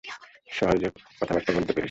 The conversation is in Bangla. সহজে কথাবার্তা বলতে পেরেছি।